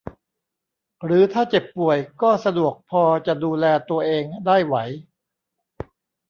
หรือถ้าเจ็บป่วยก็สะดวกพอจะดูแลตัวเองได้ไหว